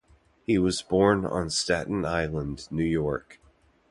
He was born on Staten Island, New York.